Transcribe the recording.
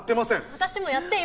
私もやっていま。